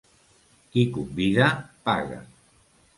Qui convida, paga.